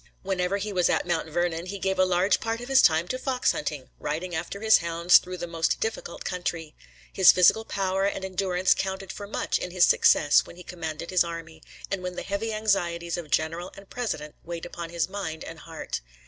Whenever he was at Mount Vernon he gave a large part of his time to fox hunting, riding after his hounds through the most difficult country. His physical power and endurance counted for much in his success when he commanded his army, and when the heavy anxieties of general and president weighed upon his mind and heart.